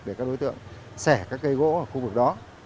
để các đối tượng xẻ các cây gỗ ở khu vực đó